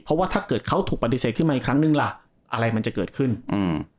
เพราะว่าถ้าเกิดเขาถูกปฏิเสธขึ้นมาอีกครั้งนึงล่ะอะไรมันจะเกิดขึ้นอืม